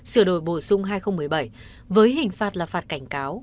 sửa đổi bổ sung hai nghìn một mươi bảy với hình phạt là phạt cảnh cáo